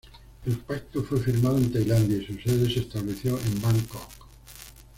El pacto fue firmado en Tailandia, y su sede se estableció en Bangkok.